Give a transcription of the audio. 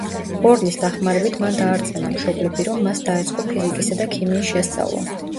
ბორნის დახმარებით მან დაარწმუნა მშობლები, რომ მას დაეწყო ფიზიკისა და ქიმიის შესწავლა.